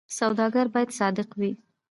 سوداګر باید صادق وي